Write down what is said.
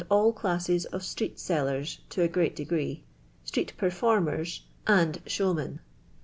l classes of strcct seliers (to a great dearei'i, Mnret performers, and showmen.